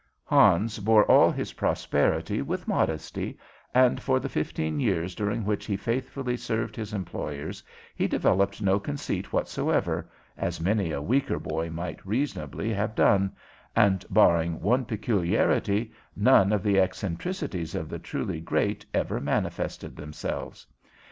Hans bore all his prosperity with modesty, and for the fifteen years during which he faithfully served his employers he developed no conceit whatsoever, as many a weaker boy might reasonably have done, and, barring one peculiarity, none of the eccentricities of the truly great ever manifested themselves.